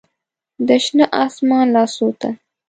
د شنه اسمان لاسو ته